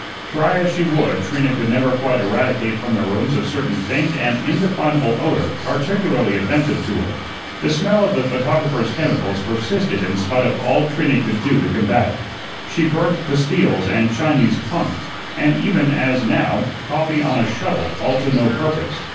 Try as she would, Trina could never quite eradicate from their rooms a certain faint and indefinable odor, particularly offensive to her. The smell of the photographer's chemicals persisted in spite of all Trina could do to combat it. She burnt pastilles and Chinese punk, and even, as now, coffee on a shovel, all to no purpose.